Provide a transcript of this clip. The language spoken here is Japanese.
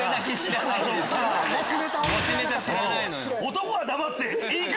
男は黙って行く！